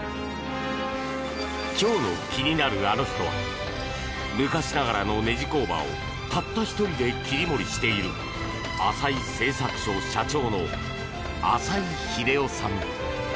今日の気になるアノ人は昔ながらのねじ工場をたった１人で切り盛りしている浅井製作所社長の浅井英夫さん。